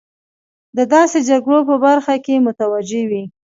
د داسې جګړو په برخه کې متوجه وي.